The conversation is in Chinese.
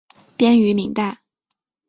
编于明代。